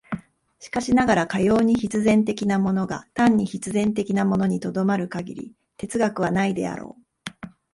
しかしながら、かように必然的なものが単に必然的なものに止まる限り哲学はないであろう。